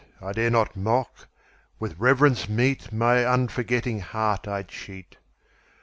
I dare not mock: with reverence meetMy unforgetting heart I cheat.